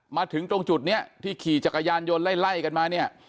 มาถึงตรงจุดนี้ที่ขี่จักรยานยนต์ไล่กันมาเนี่ย